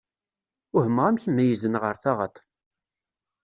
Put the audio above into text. Uhmeɣ amek meyyzen ɣer taɣaṭ.